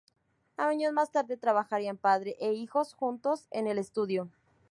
Años más tarde trabajarían padre e hijos juntos en el estudio.